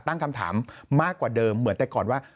ตั้งคำถามมากกว่าเดิมเหมือนแต่ก่อนว่า